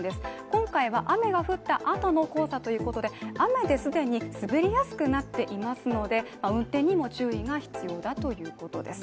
今回は雨が降ったあとの黄砂ということで雨で既に滑りやすくなっていますので運転にも注意が必要だということです。